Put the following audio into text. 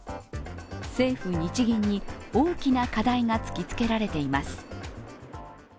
政府・日銀に大きな課題が突きつけられています。